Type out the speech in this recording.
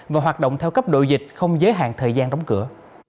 và hoạt động theo cấp độ dịch không giới hạn thời gian đóng cửa